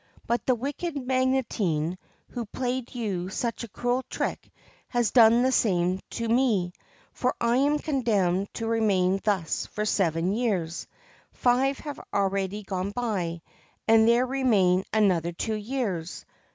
But the wicked Magotine, who played you such a cruel trick, has done the same to me, for I am condemned to remain thus for seven years ; five have already gone by and there remain another two years.